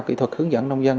kỹ thuật hướng dẫn nông dân